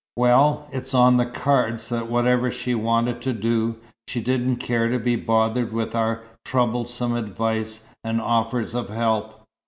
"Well, it's on the cards that whatever she wanted to do, she didn't care to be bothered with our troublesome advice and offers of help.